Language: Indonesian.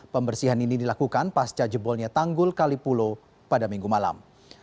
pembersihan ini dilakukan pasca jebolnya tanggul kalipulo pada minggu malam